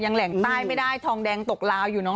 แหล่งใต้ไม่ได้ทองแดงตกลาวอยู่เนอ